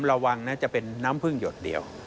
ระวังนะจะเป็นน้ำพึ่งหยดเดียว